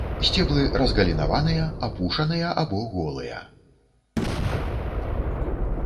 Сцеблы разгалінаваныя, апушаныя або голыя.